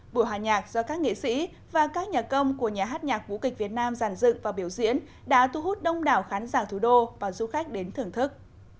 buổi hòa nhạc do các nghệ sĩ và các nhà công của nhà hát nhạc vũ kịch việt nam giàn dựng và biểu diễn đã thu hút đông đảo khán giả thủ đô và du khách đến thưởng thức